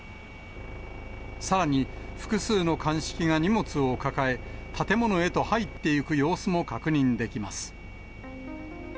さらに、複数の鑑識が荷物を抱え、建物へと入っていく様子も確認できます。